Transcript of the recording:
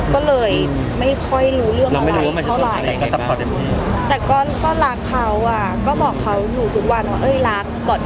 ก็เลยไม่ค่อยรู้อะไรออกแล้วแต่ก็รักเขาบอกว่าอยู่ทุกวันแล้วรักอยู่ก่อน